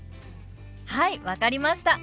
はい分かりました。